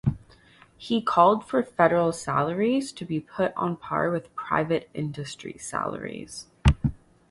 He called for federal salaries to be put on par with private industry salaries.